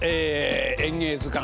「演芸図鑑」